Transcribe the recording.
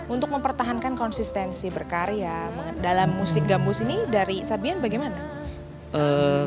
untuk mempertahankan konsistensi berkarya dalam musik gambus ini dari sabian bagaimana